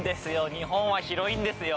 日本は広いんですよ。